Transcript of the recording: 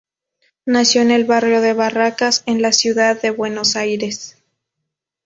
Nació en el barrio de Barracas, en la ciudad de Buenos Aires.